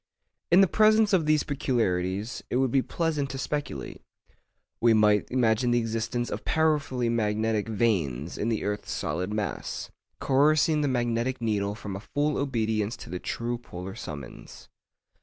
In the presence of these peculiarities, it would be pleasant to speculate. We might imagine the existence of powerfully magnetic veins in the earth's solid mass, coercing the magnetic needle from a full obedience to the true polar summons.